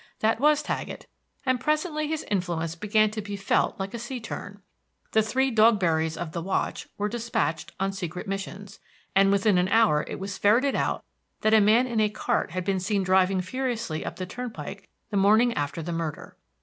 That was Taggett; and presently his influence began to be felt like a sea turn. The three Dogberrys of the watch were dispatched on secret missions, and within an hour it was ferreted out that a man in a cart had been seen driving furiously up the turnpike the morning after the murder.